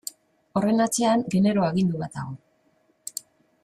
Horren atzean genero agindu bat dago.